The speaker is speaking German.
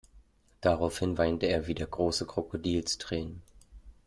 Daraufhin weinte er wieder große Krokodilstränen.